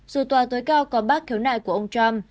dù tòa tối cao có bác khiếu nại của ông trump